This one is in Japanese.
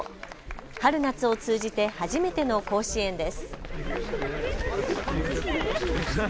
春夏を通じて初めての甲子園です。